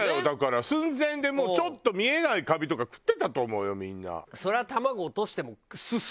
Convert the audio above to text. だから寸前でもうちょっと見えないカビとか食ってたと思うよみんな。